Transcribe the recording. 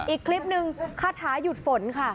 อีกคลิปนึงคาถาหยุดฝนค่ะ